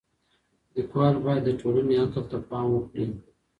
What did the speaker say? ليکوال بايد د ټولني عقل ته پام وکړي.